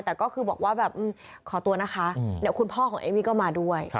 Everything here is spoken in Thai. แต่ก็คือบอกว่าแบบขอตัวนะคะเดี๋ยวคุณพ่อของเอมมี่ก็มาด้วย